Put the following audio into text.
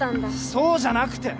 そうじゃなくて。